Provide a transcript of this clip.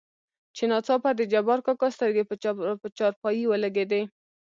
چې ناڅاپه دجبارکاکا سترګې په چارپايي ولګېدې.